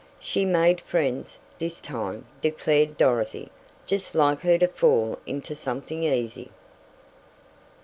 "She made friends this time," declared Dorothy. "Just like her to fall into something easy."